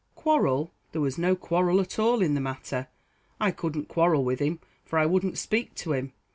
"Quarrel! there was no quarrel at all in the matter I couldn't quarrel with him for I wouldn't speak to him.